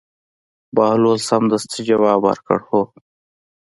بهلول سمدستي ځواب ورکړ: هو.